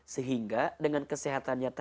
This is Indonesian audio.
sehingga dengan kesehatan yang lemahnya